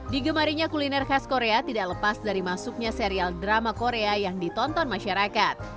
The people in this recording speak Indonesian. digemarinya kuliner khas korea tidak lepas dari masuknya serial drama korea yang ditonton masyarakat